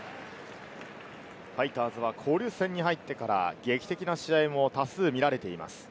ファイターズは交流戦に入ってから劇的な試合を多数見られています。